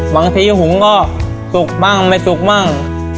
บางทีหุงก็สุกบ้างไม่สุกบ้าง